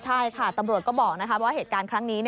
ใช่ค่ะตำรวจก็บอกว่าเหตุการณ์ครั้งนี้